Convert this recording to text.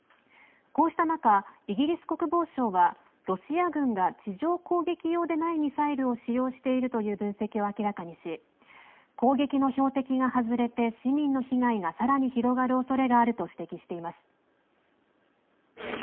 こうした中、イギリス国防省はロシア軍が地上攻撃用でないミサイルを使用しているという分析を明らかにし攻撃の標的が外れて市民の被害がさらに広がるおそれがあると指摘しています。